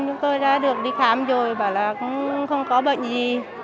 chúng tôi đã được đi khám rồi bảo là cũng không có bệnh gì